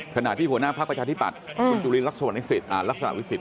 ขณะที่หัวหน้าพรรคประชาธิบัติคุณจุดยืนลักษณะวิสิทธิ์